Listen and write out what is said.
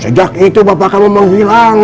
sejak itu bapak kamu menghilang